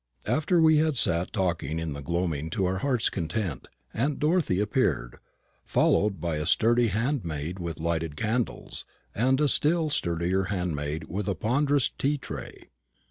After we had sat talking in the gloaming to our hearts' content, aunt Dorothy appeared, followed by a sturdy handmaid with lighted candles, and a still sturdier handmaid with a ponderous tea tray.